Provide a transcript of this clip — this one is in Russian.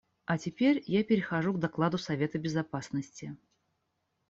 А теперь я перехожу к докладу Совета Безопасности.